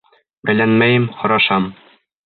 Бәйләнмәйем, һорашам.